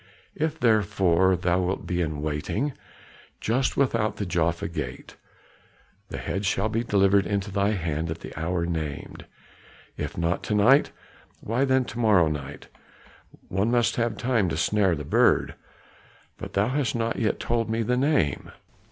If therefore thou wilt be in waiting just without the Jaffa gate, the head shall be delivered into thy hand at the hour named; if not to night, why then to morrow night; one must have time to snare the bird. But thou hast not yet told me the name."